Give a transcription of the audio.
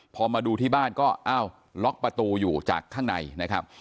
พอมาดูที่บ้านก็อ้าวล็อกประตูอยู่จากข้างในนะครับ